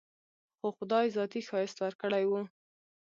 خو خداى ذاتي ښايست وركړى و.